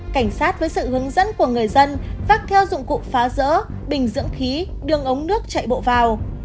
cảnh sát với sự hướng dẫn của người dân phát theo dụng cụ phá rỡ bình dưỡng khí đường ống nước chạy bộ vào